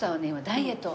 ダイエット。